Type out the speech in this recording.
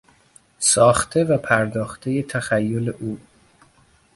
ساخته و پرداختهی تخیل او